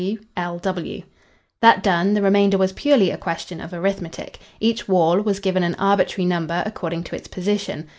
W.W.L.W." That done, the remainder was purely a question of arithmetic. Each whorl was given an arbitrary number according to its position.